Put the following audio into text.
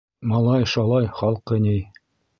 Малай-шалай халҡы ни!